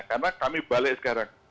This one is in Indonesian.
karena kami balik sekarang